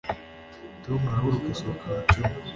tom arahaguruka asohoka mu cyumba